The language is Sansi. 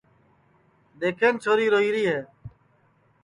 دؔیکھن چھوری روئیری ہے